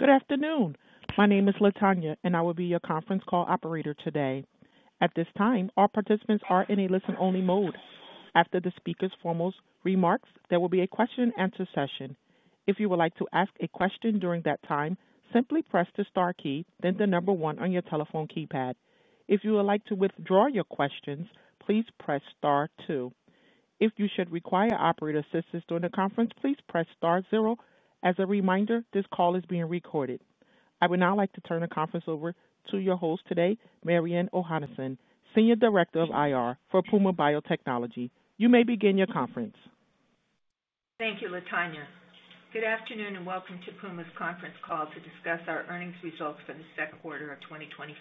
Good afternoon. My name is Latanya and I will be your conference call operator today. At this time, all participants are in a listen-only mode. After the speaker's formal remarks, there will be a question-and-answer session. If you would like to ask a question during that time, simply press the star key, then the number one on your telephone keypad. If you would like to withdraw your questions, please press star two. If you should require operator assistance during the conference, please press star zero. As a reminder, this call is being recorded. I would now like to turn the conference over to your host today, Mariann Ohanesian, Senior Director of IR for Puma Biotechnology. You may begin your conference. Thank you, Latanya. Good afternoon and welcome to Puma's conference call to discuss our earnings results for the second quarter of 2025.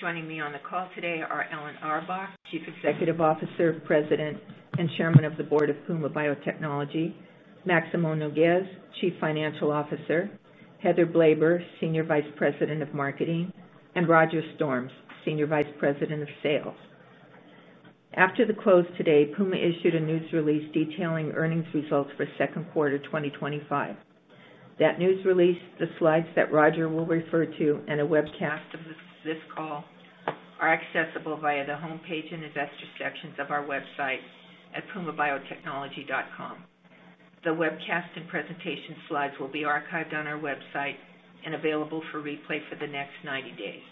Joining me on the call today are Alan Auerbach, Chief Executive Officer, President and Chairman of the Board of Puma Biotechnology, Maximo Nougues, Chief Financial Officer, Heather Blaber, Senior Vice President of Marketing, and Roger Storms, Senior Vice President of Sales. After the close today, Puma issued a news release detailing earnings results for the second quarter of 2025. That news release, the slides that Roger will refer to, and a webcast of this call are accessible via the homepage and investor sections of our website at pumabiotechnology.com. The webcast and presentation slides will be archived on our website and available for replay for the next 90 days.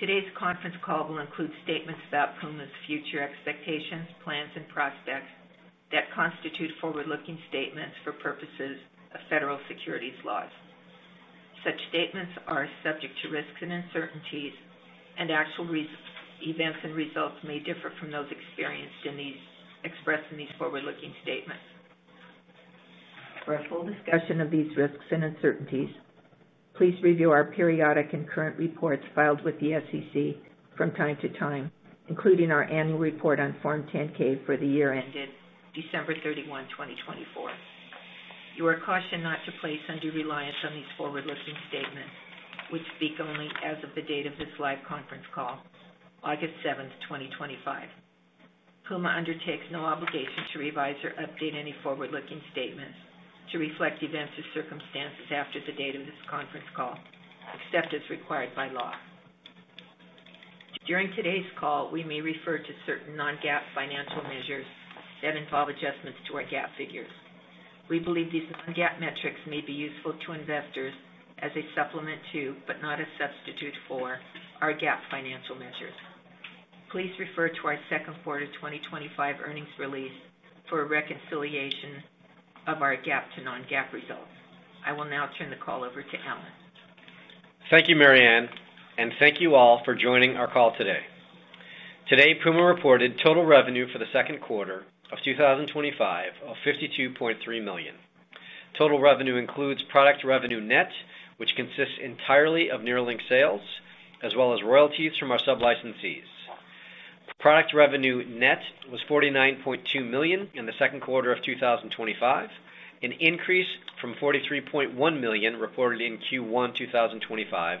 Today's conference call will include statements about Puma's future expectations, plans, and prospects that constitute forward-looking statements for purposes of federal securities laws. Such statements are subject to risks and uncertainties, and actual events and results may differ from those expressed in these forward-looking statements. For a full discussion of these risks and uncertainties, please review our periodic and current reports filed with the SEC from time to time, including our annual report on Form 10-K for the year ending December 31, 2024. You are cautioned not to place undue reliance on these forward-looking statements, which speak only as of the date of this live conference call, August 7, 2025. Puma undertakes no obligation to revise or update any forward-looking statements to reflect events or circumstances after the date of this conference call, except as required by law. During today's call, we may refer to certain non-GAAP financial measures that involve adjustments to our GAAP figures. We believe these non-GAAP metrics may be useful to investors as a supplement to, but not a substitute for, our GAAP financial measures. Please refer to our second quarter 2025 earnings release for a reconciliation of our GAAP to non-GAAP result. I will now turn the call over to Alan. Thank you, Mariann, and thank you all for joining our call today. Today, Puma reported total revenue for the second quarter of 2025 of $52.3 million. Total revenue includes product revenue, net, which consists entirely of NERLYNX sales, as well as royalties from our sublicenses. Product revenue, net, was $49.2 million in the second quarter of 2025, an increase from $43.1 million reported in Q1 2025,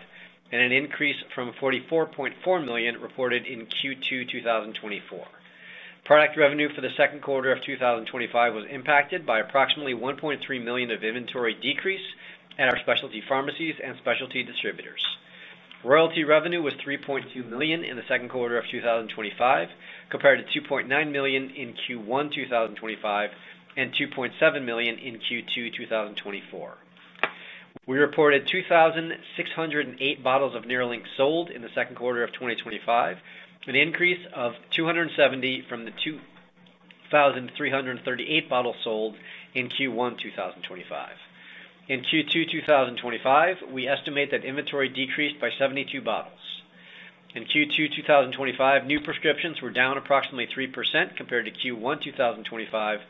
and an increase from $44.4 million reported in Q2 2024. Product revenue for the second quarter of 2025 was impacted by approximately $1.3 million of inventory decrease at our specialty pharmacies and specialty distributors. Royalty revenue was $3.2 million in the second quarter of 2025, compared to $2.9 million in Q1 2025 and $2.7 million in Q2 2024. We reported 2,608 bottles of NERLYNX sold in the second quarter of 2025, with an increase of 270 from the 2,338 bottles sold in Q1 2025. In Q2 2025, we estimate that inventory decreased by 72 bottles. In Q2 2025, new prescriptions were down approximately 3% compared to Q1 2025,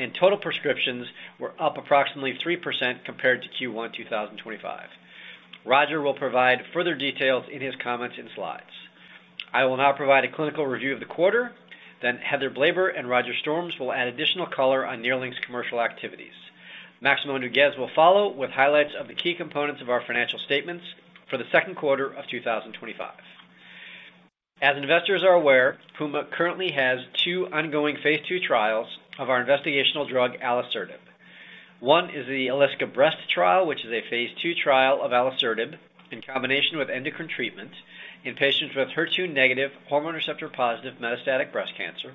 and total prescriptions were up approximately 3% compared to Q1 2025. Roger will provide further details in his comments and slides. I will now provide a clinical review of the quarter, then Heather Blaber and Roger Storms will add additional color on NERLYNX's commercial activities. Maximo Nougues will follow with highlights of the key components of our financial statements for the second quarter of 2025. As investors are aware, Puma currently has two ongoing phase II trials of our investigational drug alisertib. One is the ALISCA-Breast trial, which is a phase II trial of alisertib in combination with endocrine treatment in patients with HER2-negative, hormone receptor-positive metastatic breast cancer.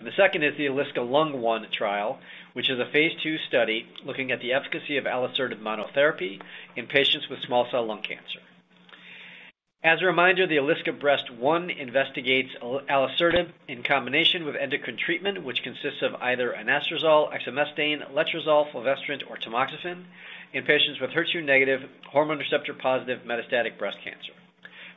The second is the ALISCA-Lung1 trial, which is a phase II study looking at the efficacy of alisertib monotherapy in patients with small cell lung cancer. As a reminder, the ALISCA-Breast1 investigates alisertib in combination with endocrine treatment, which consists of either anastrozole, exemestane, letrozole, fulvestrant, or tamoxifen in patients with HER2-negative, hormone receptor-positive metastatic breast cancer.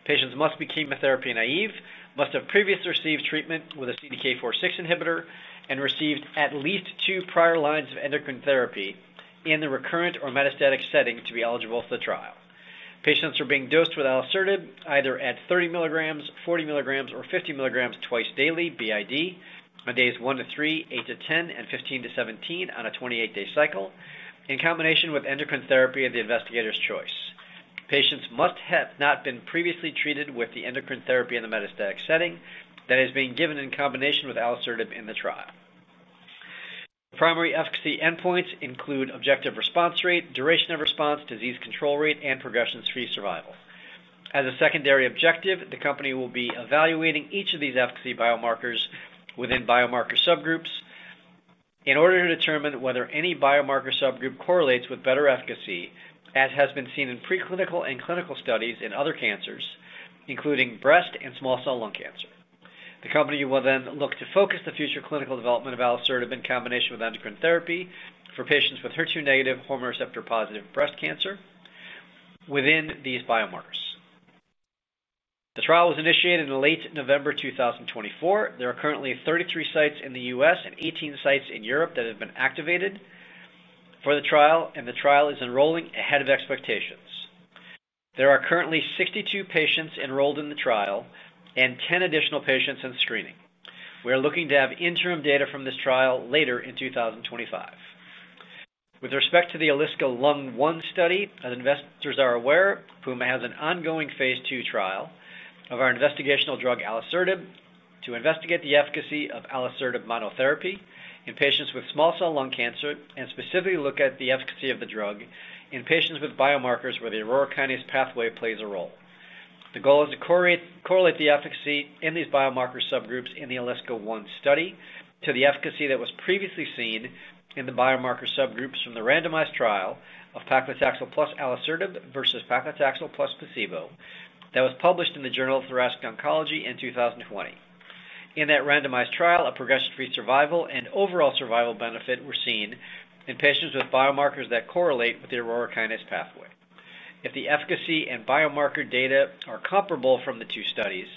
Patients must be chemotherapy naïve, must have previously received treatment with a CDK4/6 inhibitor, and received at least two prior lines of endocrine therapy in the recurrent or metastatic setting to be eligible for the trial. Patients are being dosed with alisertib either at 30 mg, 40 mg, or 50 mg twice daily, BID, on days one to three, eight to 10, and 15-17 on a 28-day cycle, in combination with endocrine therapy of the investigator's choice. Patients must have not been previously treated with the endocrine therapy in the metastatic setting that is being given in combination with alisertib in the trial. Primary efficacy endpoints include objective response rate, duration of response, disease control rate, and progression-free survival. As a secondary objective, the company will be evaluating each of these efficacy biomarkers within biomarker subgroups in order to determine whether any biomarker subgroup correlates with better efficacy, as has been seen in preclinical and clinical studies in other cancers, including breast and small cell lung cancer. The company will then look to focus the future clinical development of alisertib in combination with endocrine therapy for patients with HER2-negative, hormone receptor-positive breast cancer within these biomarkers. The trial was initiated in late November 2024. There are currently 33 sites in the U.S. and 18 sites in Europe that have been activated for the trial, and the trial is enrolling ahead of expectations. There are currently 62 patients enrolled in the trial and 10 additional patients in screening. We are looking to have interim data from this trial later in 2025. With respect to the ALISCA-Lung1 study, as investors are aware, Puma has an ongoing phase II trial of our investigational drug alisertib to investigate the efficacy of alisertib monotherapy in patients with small cell lung cancer and specifically look at the efficacy of the drug in patients with biomarkers where the Aurora Kinase pathway plays a role. The goal is to correlate the efficacy in these biomarker subgroups in the ALISCA-1 study to the efficacy that was previously seen in the biomarker subgroups from the randomized trial of paclitaxel plus alisertib versus paclitaxel plus placebo that was published in the Journal of Thoracic Oncology in 2020. In that randomized trial, a progression-free survival and overall survival benefit were seen in patients with biomarkers that correlate with the Aurora Kinase pathway. If the efficacy and biomarker data are comparable from the two studies,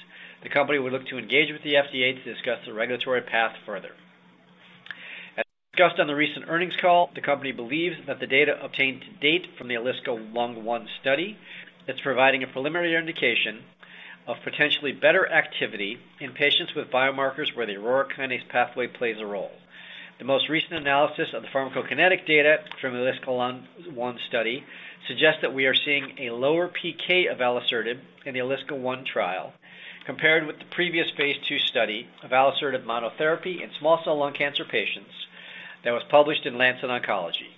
the company would look to engage with the FDA to discuss the regulatory path further. As discussed on the recent earnings call, the company believes that the data obtained to date from the ALISCA-Lung1 study is providing a preliminary indication of potentially better activity in patients with biomarkers where the Aurora Kinase pathway plays a role. The most recent analysis of the pharmacokinetic data from the ALISCA-Lung1 study suggests that we are seeing a lower PK of alisertib in the ALISCA-1 trial compared with the previous phase II study of alisertib monotherapy in small cell lung cancer patients that was published in Lancet Oncology.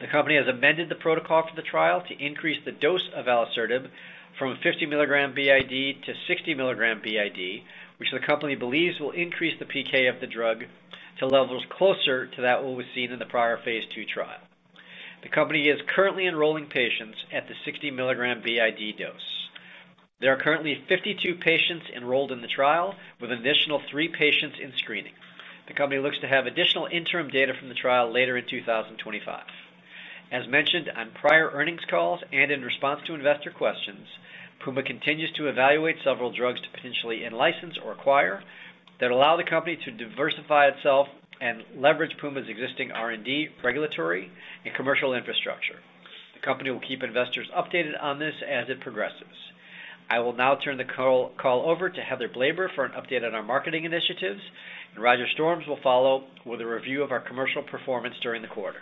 The company has amended the protocol for the trial to increase the dose of alisertib from 50 mg BID to 60 mg BID, which the company believes will increase the PK of the drug to levels closer to what was seen in the prior phase II trial. The company is currently enrolling patients at the 60 mg BID dose. There are currently 52 patients enrolled in the trial with an additional three patients in screening. The company looks to have additional interim data from the trial later in 2025. As mentioned on prior earnings calls and in response to investor questions, Puma continues to evaluate several drugs to potentially license or acquire that allow the company to diversify itself and leverage Puma's existing R&D, regulatory, and commercial infrastructure. The company will keep investors updated on this as it progresses. I will now turn the call over to Heather Blaber for an update on our marketing initiatives, and Roger Storms will follow with a review of our commercial performance during the quarter.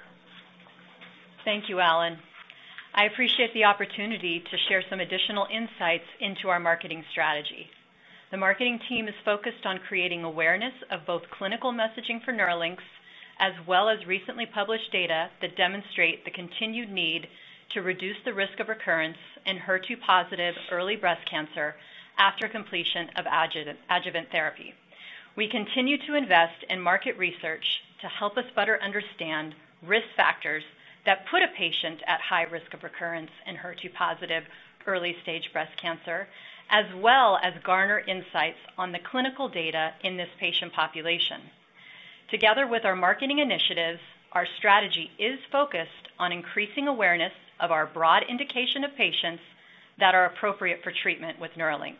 Thank you, Alan. I appreciate the opportunity to share some additional insights into our marketing strategies. The marketing team is focused on creating awareness of both clinical messaging for NERLYNX, as well as recently published data that demonstrate the continued need to reduce the risk of recurrence in HER2-positive early breast cancer after completion of adjuvant therapy. We continue to invest in market research to help us better understand risk factors that put a patient at high risk of recurrence in HER2-positive early-stage breast cancer, as well as garner insights on the clinical data in this patient population. Together with our marketing initiatives, our strategy is focused on increasing awareness of our broad indication of patients that are appropriate for treatment with NERLYNX.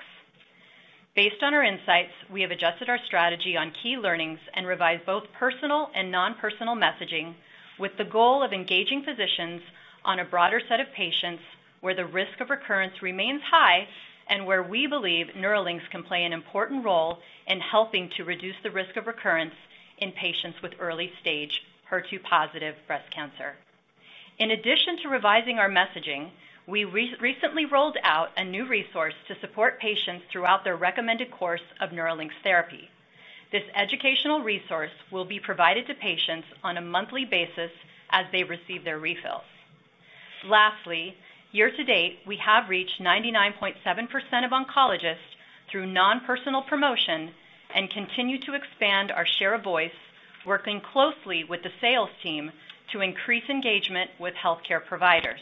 Based on our insights, we have adjusted our strategy on key learnings and revised both personal and non-personal messaging with the goal of engaging physicians on a broader set of patients where the risk of recurrence remains high and where we believe NERLYNX can play an important role in helping to reduce the risk of recurrence in patients with early-stage HER2-positive breast cancer. In addition to revising our messaging, we recently rolled out a new resource to support patients throughout their recommended course of NERLYNX therapy. This educational resource will be provided to patients on a monthly basis as they receive their refills. Lastly, year to date, we have reached 99.7% of oncologists through non-personal promotion and continue to expand our share of voice, working closely with the sales team to increase engagement with healthcare providers.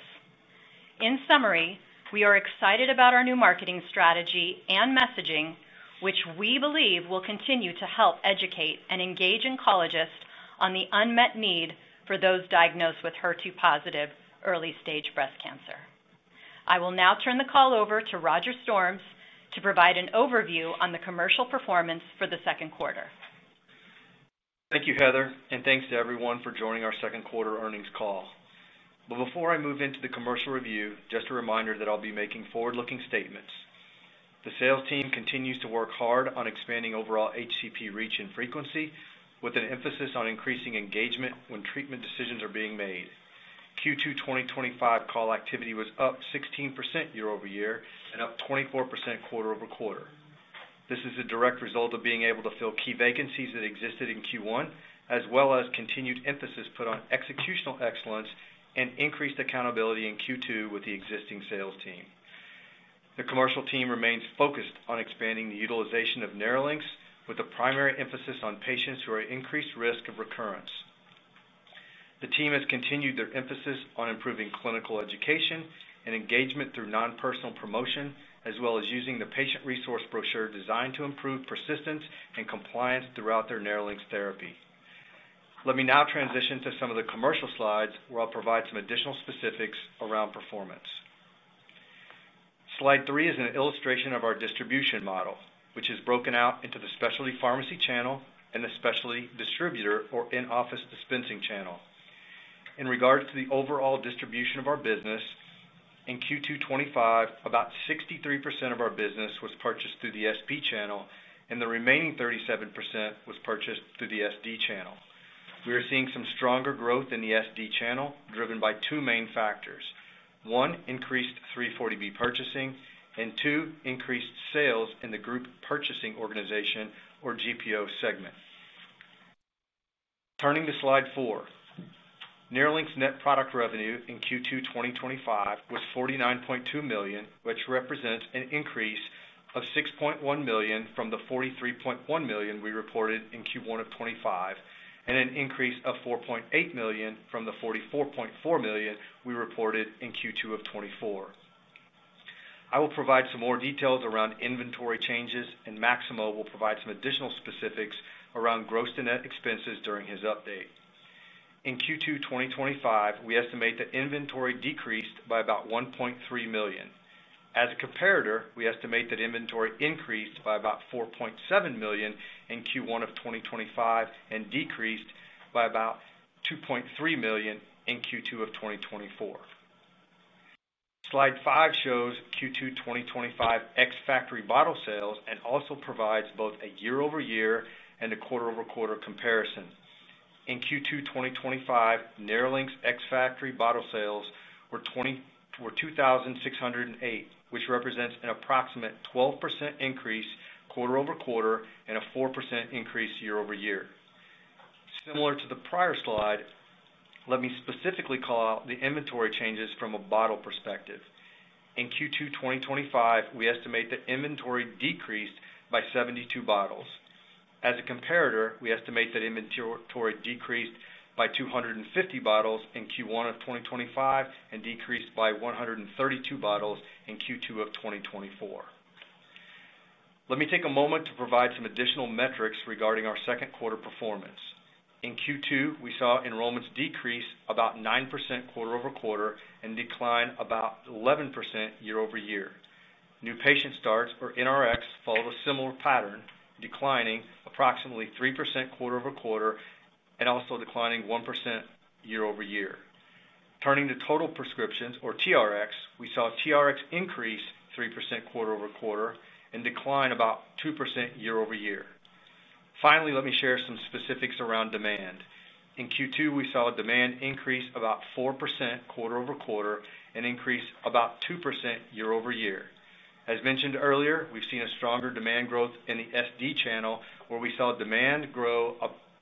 In summary, we are excited about our new marketing strategy and messaging, which we believe will continue to help educate and engage oncologists on the unmet need for those diagnosed with HER2-positive early-stage breast cancer. I will now turn the call over to Roger Storms to provide an overview on the commercial performance for the second quarter. Thank you, Heather, and thanks to everyone for joining our second quarter earnings call. Before I move into the commercial review, just a reminder that I'll be making forward-looking statements. The sales team continues to work hard on expanding overall HCP reach and frequency, with an emphasis on increasing engagement when treatment decisions are being made. Q2 2025 call activity was up 16% year-over-year and up 24% quarter-over-quarter. This is a direct result of being able to fill key vacancies that existed in Q1, as well as continued emphasis put on executional excellence and increased accountability in Q2 with the existing sales team. The commercial team remains focused on expanding the utilization of NERLYNX, with a primary emphasis on patients who are at increased risk of recurrence. The team has continued their emphasis on improving clinical education and engagement through non-personal promotion, as well as using the patient resource brochure designed to improve persistence and compliance throughout their NERLYNX therapy. Let me now transition to some of the commercial slides where I'll provide some additional specifics around performance. Slide three is an illustration of our distribution model, which is broken out into the specialty pharmacy channel and the specialty distributor or in-office dispensing channel. In regards to the overall distribution of our business in Q2 2025, about 63% of our business was purchased through the SP channel, and the remaining 37% was purchased through the SD channel. We are seeing some stronger growth in the SD channel driven by two main factors: one, increased 340B purchasing, and two, increased sales in the Group Purchasing Organization, or GPO, segment. Turning to slide four, NERLYNX net product revenue in Q2 2025 was $49.2 million, which represents an increase of $6.1 million from the $43.1 million we reported in Q1 of 2025, and an increase of $4.8 million from the $44.4 million we reported in Q2 of 2024. I will provide some more details around inventory changes, and Maximo will provide some additional specifics around gross-to-net expenses during his update. In Q2 2025, we estimate that inventory decreased by about $1.3 million. As a comparator, we estimate that inventory increased by about $4.7 million in Q1 of 2025 and decreased by about $2.3 million in Q2 of 2024. Slide five shows Q2 2025 ex-factory bottle sales and also provides both a year-over-year and a quarter-over-quarter comparison. In Q2 2025, NERLYNX ex-factory bottle sales were 2,608, which represents an approximate 12% increase quarter-over-quarter and a 4% increase year-over-year. Similar to the prior slide, let me specifically call out the inventory changes from a bottle perspective. In Q2 2025, we estimate that inventory decreased by 72 bottles. As a comparator, we estimate that inventory decreased by 250 bottles in Q1 of 2025 and decreased by 132 bottles in Q2 of 2024. Let me take a moment to provide some additional metrics regarding our second quarter performance. In Q2, we saw enrollments decrease about 9% quarter-over-quarter and decline about 11% year-over-year. New patient starts, or NRx, followed a similar pattern, declining approximately 3% quarter-over-quarter and also declining 1% year-over-year. Turning to total prescriptions, or TRx, we saw TRx increase 3% quarter-over-quarter and decline about 2% year-over-year. Finally, let me share some specifics around demand. In Q2, we saw a demand increase about 4% quarter-over-quarter and increase about 2% year-over-year. As mentioned earlier, we've seen a stronger demand growth in the SD channel, where we saw demand grow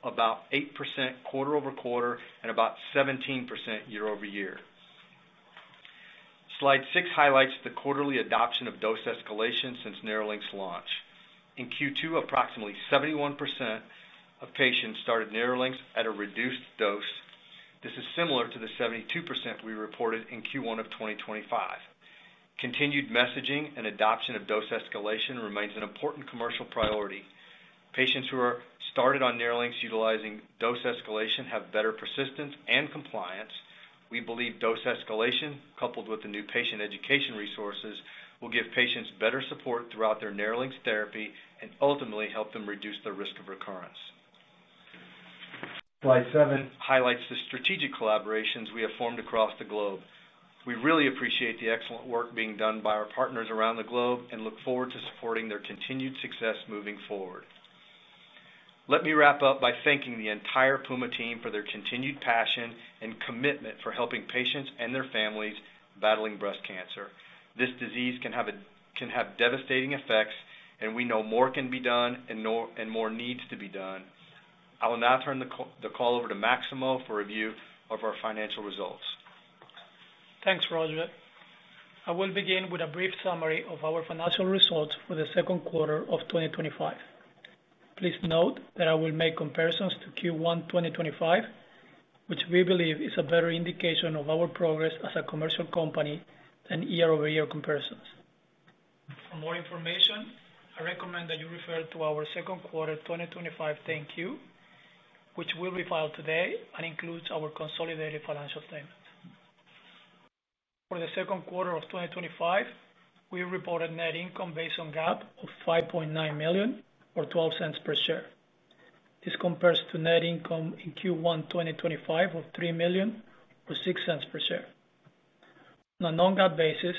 about 8% quarter-over-quarter and about 17% year-over-year. Slide six highlights the quarterly adoption of dose escalation since NERLYNX launch. In Q2, approximately 71% of patients started NERLYNX at a reduced dose. This is similar to the 72% we reported in Q1 of 2025. Continued messaging and adoption of dose escalation remains an important commercial priority. Patients who are started on NERLYNX utilizing dose escalation have better persistence and compliance. We believe dose escalation, coupled with the new patient education resources, will give patients better support throughout their NERLYNX therapy and ultimately help them reduce the risk of recurrence. Slide seven highlights the strategic collaborations we have formed across the globe. We really appreciate the excellent work being done by our partners around the globe and look forward to supporting their continued success moving forward. Let me wrap up by thanking the entire Puma team for their continued passion and commitment for helping patients and their families battling breast cancer. This disease can have devastating effects, and we know more can be done and more needs to be done. I will now turn the call over to Maximo for review of our financial results. Thanks, Roger. I will begin with a brief summary of our financial results for the second quarter of 2025. Please note that I will make comparisons to Q1 2025, which we believe is a better indication of our progress as a commercial company than year-over-year comparisons. For more information, I recommend that you refer to our second quarter 2025 10-Q, which will be filed today and includes our consolidated financial statements. For the second quarter of 2025, we reported net income based on GAAP of $5.9 million or $0.12 per share. This compares to net income in Q1 2025 of $3 million or $0.06 per share. On a non-GAAP basis,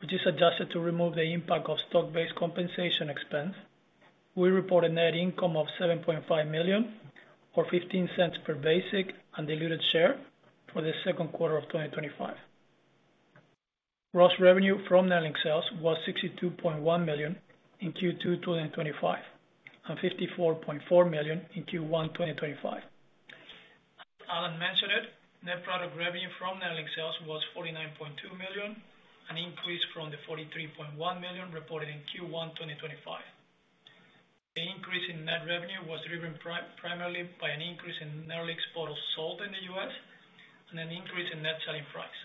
which is adjusted to remove the impact of stock-based compensation expense, we reported net income of $7.5 million or $0.15 per basic and diluted share for the second quarter of 2025. Gross revenue from NERLYNX sales was $62.1 million in Q2 2025 and $54.4 million in Q1 2025. As Alan mentioned, net product revenue from NERLYNX sales was $49.2 million, an increase from the $43.1 million reported in Q1 2025. The increase in net revenue was driven primarily by an increase in NERLYNX bottles sold in the U.S. and an increase in net selling price.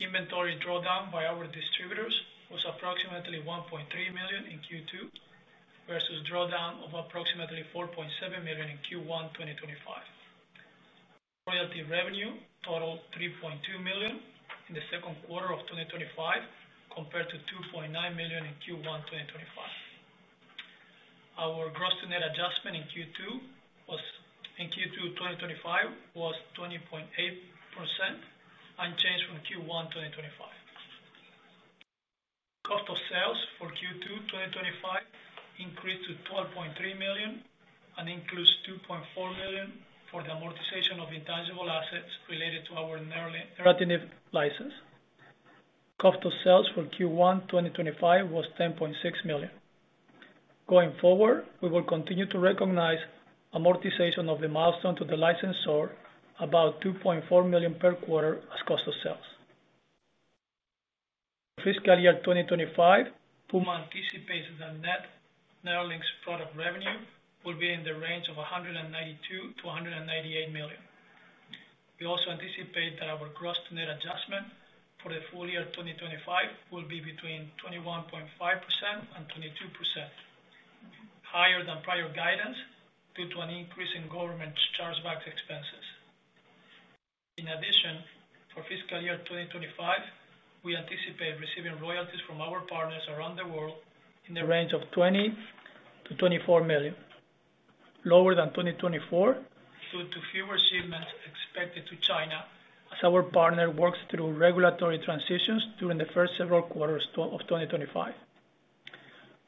Inventory drawdown by our distributors was approximately $1.3 million in Q2 versus a drawdown of approximately $4.7 million in Q1 2025. Royalty revenue totaled $3.2 million in the second quarter of 2025 compared to $2.9 million in Q1 2025. Our gross-to-net adjustment in Q2 2025 was 20.8%, unchanged from Q1 2025. Cost of sales for Q2 2025 increased to $12.3 million and includes $2.4 million for the amortization of intangible assets related to our [neratinib] license. Cost of sales for Q1 2025 was $10.6 million. Going forward, we will continue to recognize amortization of the milestone to the licensor, about $2.4 million per quarter as cost of sales. For fiscal year 2025, Puma anticipates that net NERLYNX product revenue will be in the range of $192 million-$198 million. We also anticipate that our gross-to-net adjustment for the full year 2025 will be between 21.5% and 22%, higher than prior guidance due to an increase in government chargeback expenses. In addition, for fiscal year 2025, we anticipate receiving royalties from our partners around the world in the range of $20 million-$24 million, lower than 2024, due to fewer shipments expected to China as our partner works through regulatory transitions during the first several quarters of 2025.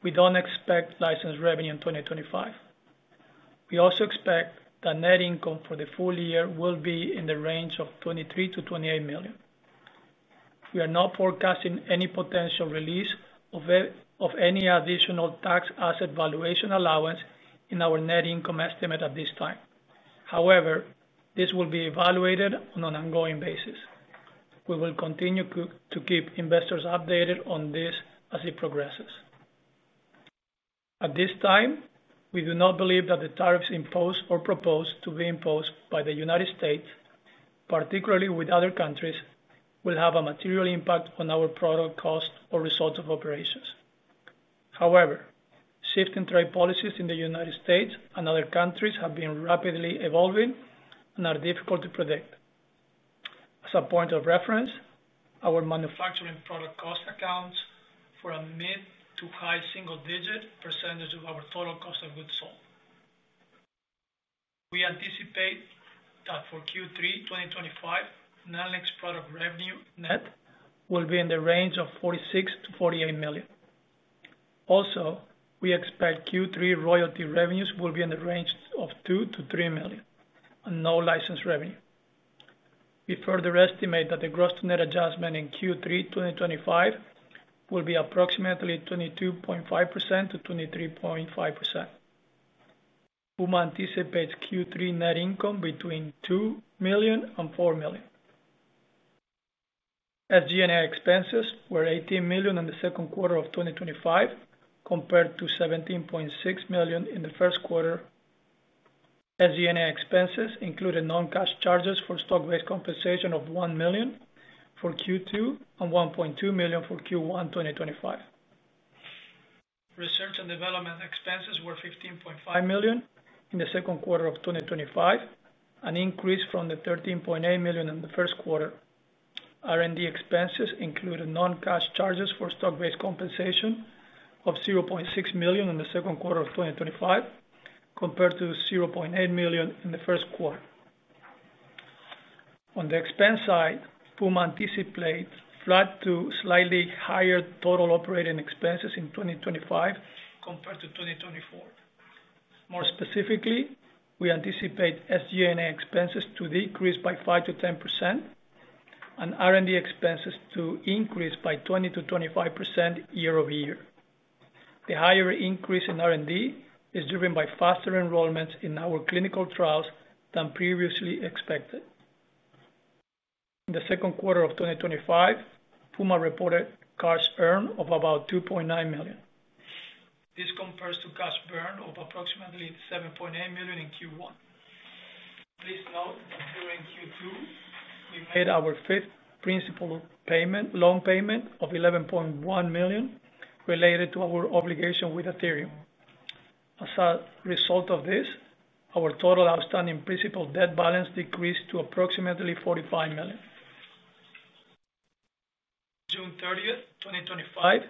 We don't expect license revenue in 2025. We also expect that net income for the full year will be in the range of $23 million-$28 million. We are not forecasting any potential release of any additional tax asset valuation allowance in our net income estimate at this time. However, this will be evaluated on an ongoing basis. We will continue to keep investors updated on this as it progresses. At this time, we do not believe that the tariffs imposed or proposed to be imposed by the United States, particularly with other countries, will have a material impact on our product cost or results of operations. However, shifting trade policies in the United States and other countries have been rapidly evolving and are difficult to predict. As a point of reference, our manufacturing product cost accounts for a mid to high single-digit percentage of our total cost of goods sold. We anticipate that for Q3 2025, NERLYNX product revenue net will be in the range of $46 million-$48 million. Also, we expect Q3 royalty revenues will be in the range of $2 million-$3 million and no license revenue. We further estimate that the gross-to-net adjustment in Q3 2025 will be approximately 22.5%-23.5%. Puma anticipates Q3 net income between $2 million and $4 million. SG&A expenses were $18 million in the second quarter of 2025 compared to $17.6 million in the first quarter. SG&A expenses included non-cash charges for stock-based compensation of $1 million for Q2 and $1.2 million for Q1 2025. Research and development expenses were $15.5 million in the second quarter of 2025, an increase from the $13.8 million in the first quarter. R&D expenses included non-cash charges for stock-based compensation of $0.6 million in the second quarter of 2025 compared to $0.8 million in the first quarter. On the expense side, Puma anticipates flat to slightly higher total operating expenses in 2025 compared to 2024. More specifically, we anticipate SG&A expenses to decrease by 5%-10% and R&D expenses to increase by 20%-25% year over year. The higher increase in R&D is driven by faster enrollments in our clinical trials than previously expected. In the second quarter of 2025, Puma reported a cash earn of about $2.9 million. This compares to a cash burn of approximately $7.8 million in Q1. This result is during Q2. We've made our fifth principal payment, loan payment of $11.1 million related to our obligation with Athyrium. As a result of this, our total outstanding principal debt balance decreased to approximately $45 million. As of June 30, 2025,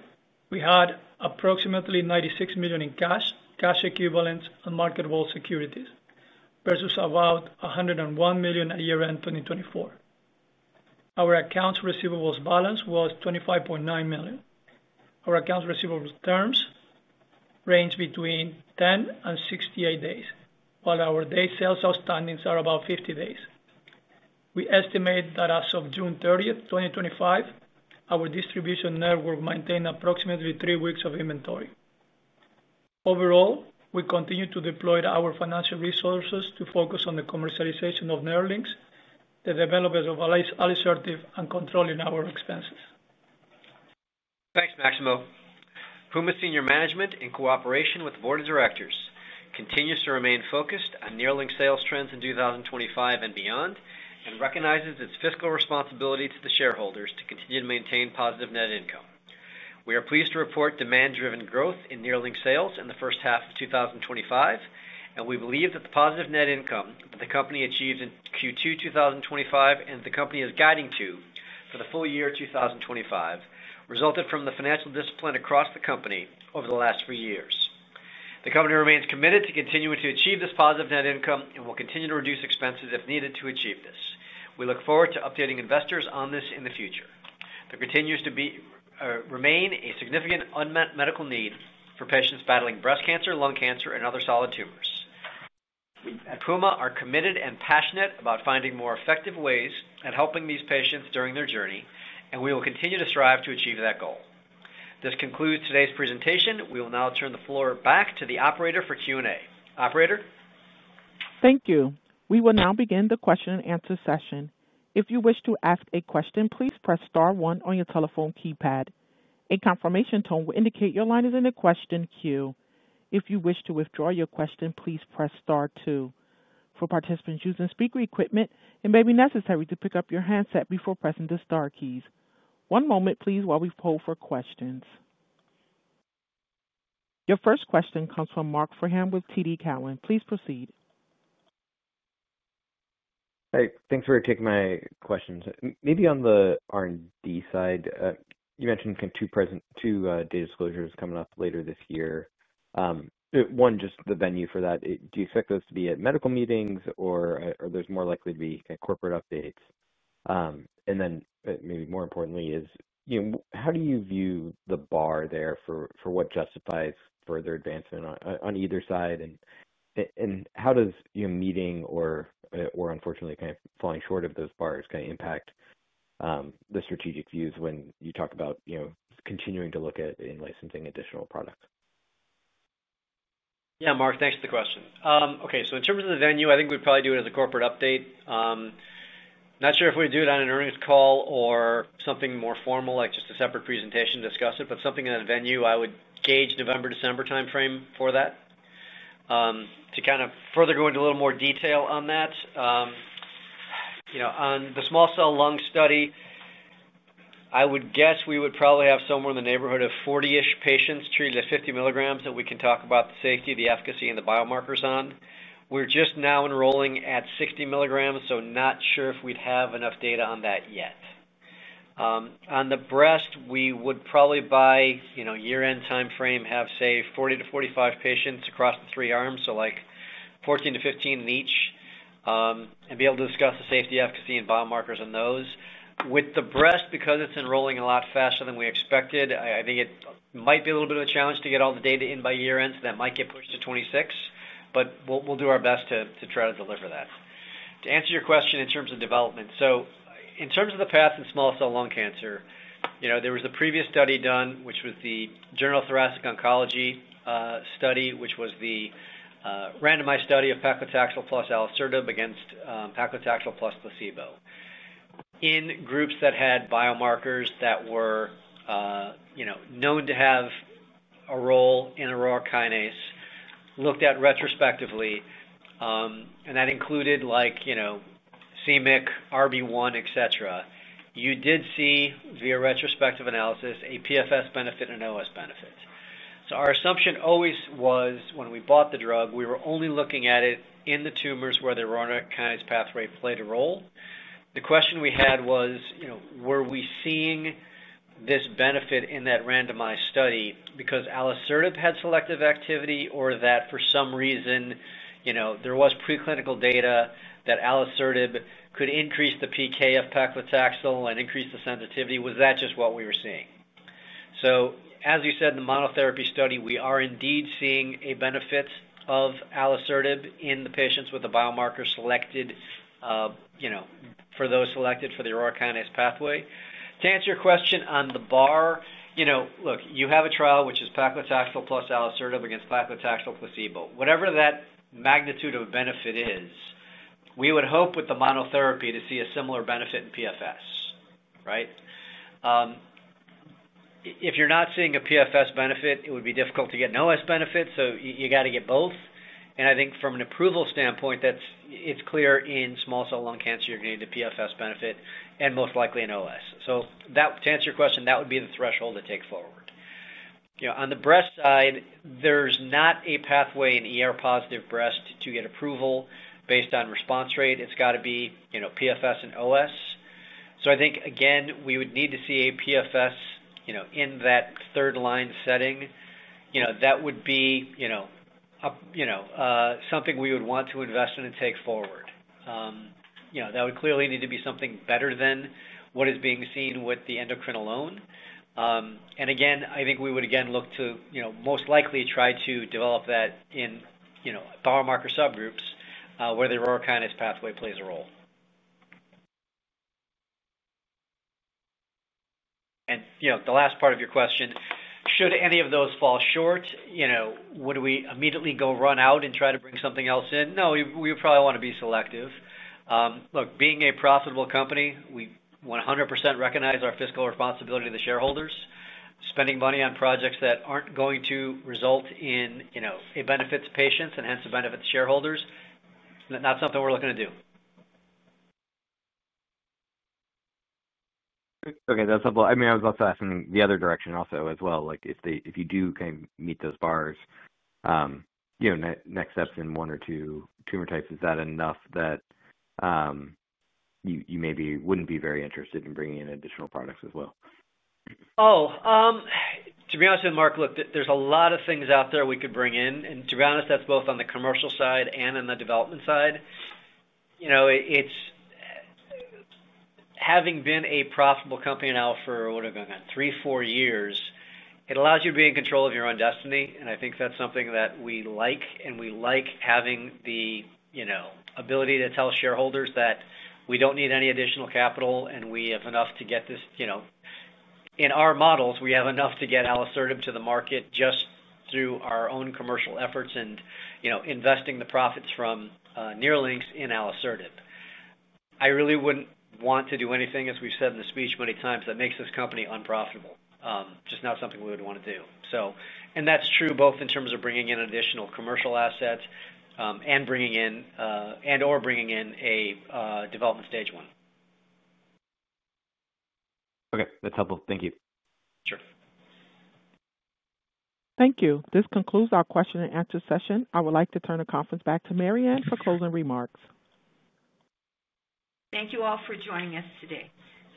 we had approximately $96 million in cash, cash equivalents, and marketable securities versus about $101 million at year-end 2024. Our accounts receivable balance was $25.9 million. Our accounts receivable terms range between 10 and 68 days, while our day sales outstanding are about 50 days. We estimate that as of June 30, 2025, our distribution network maintained approximately three weeks of inventory. Overall, we continue to deploy our financial resources to focus on the commercialization of NERLYNX, the development of alisertib, and controlling our expenses. Thanks, Maximo. Puma's senior management, in cooperation with the Board of Directors, continues to remain focused on NERLYNX sales trends in 2025 and beyond and recognizes its fiscal responsibility to the shareholders to continue to maintain positive net income. We are pleased to report demand-driven growth in NERLYNX sales in the first half of 2025, and we believe that the positive net income that the company achieves in Q2 2025 and the company is guiding to for the full year 2025 resulted from the financial discipline across the company over the last three years. The company remains committed to continuing to achieve this positive net income and will continue to reduce expenses if needed to achieve this. We look forward to updating investors on this in the future. There continues to remain a significant unmet medical need for patients battling breast cancer, lung cancer, and other solid tumors. At Puma, we are committed and passionate about finding more effective ways at helping these patients during their journey, and we will continue to strive to achieve that goal. This concludes today's presentation. We will now turn the floor back to the operator for Q&A. Operator? Thank you. We will now begin the question-and-answer session. If you wish to ask a question, please press star one on your telephone keypad. A confirmation tone will indicate your line is in the question queue. If you wish to withdraw your question, please press star two. For participants using speaker equipment, it may be necessary to pick up your handset before pressing the star keys. One moment, please, while we pull for questions. Your first question comes from Marc Frahm with TD Cowen. Please proceed. Hey, thanks for taking my questions. Maybe on the R&D side, you mentioned kind of two data disclosures coming up later this year. One, just the venue for that. Do you expect those to be at medical meetings, or are those more likely to be kind of corporate updates? Maybe more importantly, how do you view the bar there for what justifies further advancement on either side? How does meeting or, unfortunately, kind of falling short of those bars impact the strategic views when you talk about continuing to look at in-licensing additional products? Yeah, Marc, thanks for the question. Okay, in terms of the venue, I think we'd probably do it as a corporate update. Not sure if we'd do it on an earnings call or something more formal, like just a separate presentation to discuss it, but something in a venue. I would gauge November-December timeframe for that. To kind of further go into a little more detail on that, on the small cell lung study, I would guess we would probably have somewhere in the neighborhood of 40-ish patients treated at 50 mg that we can talk about the safety, the efficacy, and the biomarkers on. We're just now enrolling at 60 mg, so not sure if we'd have enough data on that yet. On the breast, we would probably by year-end timeframe have, say, 40-45 patients across the three arms, so like 14-15 in each, and be able to discuss the safety, efficacy, and biomarkers on those. With the breast, because it's enrolling a lot faster than we expected, I think it might be a little bit of a challenge to get all the data in by year-end, so that might get pushed to 2026, but we'll do our best to try to deliver that. To answer your question in terms of development, in terms of the path in small cell lung cancer, there was a previous study done, which was the General Thoracic Oncology study, which was the randomized study of paclitaxel plus alisertib against paclitaxel plus placebo. In groups that had biomarkers that were known to have a role in Aurora Kinase, looked at retrospectively, and that included like c-MYC, RB1, etc., you did see via retrospective analysis a PFS benefit and an OS benefit. Our assumption always was when we bought the drug, we were only looking at it in the tumors where the Aurora Kinase pathway played a role. The question we had was, were we seeing this benefit in that randomized study because alisertib had selective activity or that for some reason, there was preclinical data that alisertib could increase the PK of paclitaxel and increase the sensitivity? Was that just what we were seeing? As you said, in the monotherapy study, we are indeed seeing a benefit of alisertib in the patients with the biomarker selected, for those selected for the Aurora Kinase pathway. To answer your question on the bar, you have a trial which is paclitaxel plus alisertib against paclitaxel placebo. Whatever that magnitude of a benefit is, we would hope with the monotherapy to see a similar benefit in PFS, right? If you're not seeing a PFS benefit, it would be difficult to get an OS benefit, you got to get both. I think from an approval standpoint, it's clear in small cell lung cancer you're going to need the PFS benefit and most likely an OS. To answer your question, that would be the threshold to take forward. On the breast side, there's not a pathway in ER-positive breast to get approval based on response rate. It's got to be PFS and OS. I think we would need to see a PFS in that third-line setting. That would be something we would want to invest in and take forward. That would clearly need to be something better than what is being seen with the endocrine alone. I think we would again look to most likely try to develop that in biomarker subgroups where the Aurora Kinase pathway plays a role. The last part of your question, should any of those fall short, would we immediately go run out and try to bring something else in? No, we would probably want to be selective. Look, being a profitable company, we 100% recognize our fiscal responsibility to the shareholders. Spending money on projects that aren't going to result in a benefit to patients and hence a benefit to shareholders, that's not something we're looking to do. Okay, that's helpful. I was also asking the other direction as well, like if you do kind of meet those bars, you know, next steps in one or two tumor types, is that enough that you maybe wouldn't be very interested in bringing in additional products as well? To be honest with you, Marc, look, there's a lot of things out there we could bring in. To be honest, that's both on the commercial side and on the development side. Having been a profitable company now for what have gone on three, four years, it allows you to be in control of your own destiny. I think that's something that we like, and we like having the ability to tell shareholders that we don't need any additional capital, and we have enough to get this, in our models, we have enough to get alisertib to the market just through our own commercial efforts and investing the profits from NERLYNX in alisertib. I really wouldn't want to do anything, as we've said in the speech many times, that makes this company unprofitable. Just not something we would want to do. That's true both in terms of bringing in additional commercial assets and bringing in, and/or bringing in a development stage one. Okay, that's helpful. Thank you. Sure. Thank you. This concludes our question-and-answer session. I would like to turn the conference back to Mariann for closing remarks. Thank you all for joining us today.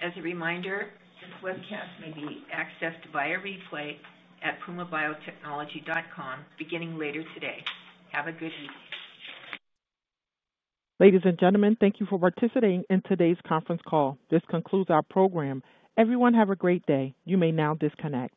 As a reminder, this webcast may be accessed via replay at pumabiotechnology.com beginning later today. Have a good evening. Ladies and gentlemen, thank you for participating in today's conference call. This concludes our program. Everyone, have a great day. You may now disconnect.